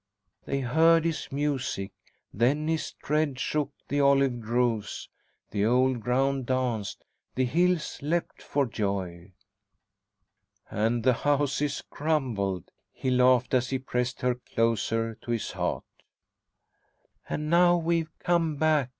They heard his music. Then his tread shook the olive groves, the old ground danced, the hills leapt for joy " "And the houses crumbled," he laughed as he pressed her closer to his heart "And now we've come back!"